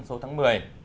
số tháng một mươi